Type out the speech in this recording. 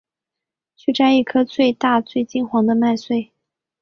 去摘一株最大最金黄的麦穗